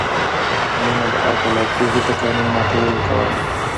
مینه د عقل او پوهې د قانون ماتولو ته وايي.